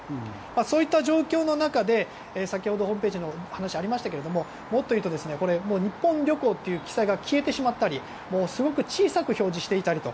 そういった状況の中で先ほどホームページの話もありましたがもっと言うと日本旅行という記載が消えてしまったりすごく小さく表示していたりと。